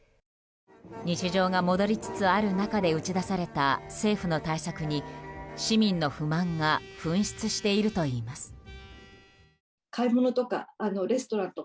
日常が戻りつつある中で打ち出された政府の対策に市民の不満が噴出しているといいます。